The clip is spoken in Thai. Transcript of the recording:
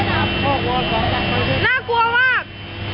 น่ากลัวมาก